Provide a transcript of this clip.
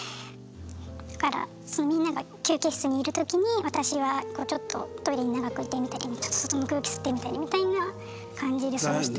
だからみんなが休憩室にいるときに私はちょっとトイレに長くいてみたりちょっと外の空気吸ってみたりみたいな感じで過ごして。